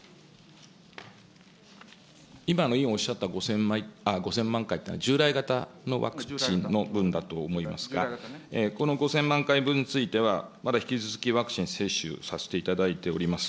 今の委員おっしゃった５０００万回とは、従来型のワクチンの分だと思いますが、この５０００万回分については、まだ引き続きワクチン接種をさせていただいております。